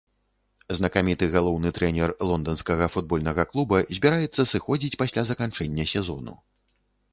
Знакаміты галоўны трэнер лонданскага футбольнага клуба збіраецца сыходзіць пасля заканчэння сезону.